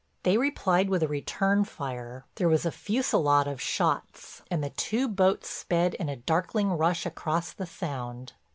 They replied with a return fire, there was a fusillade of shots, and the two boats sped in a darkling rush across the Sound.